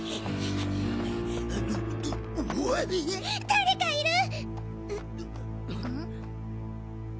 誰かいる！！